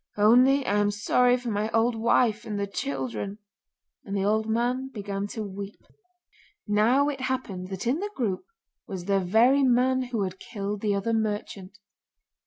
Only I am sorry for my old wife and the children,' and the old man began to weep. Now it happened that in the group was the very man who had killed the other merchant.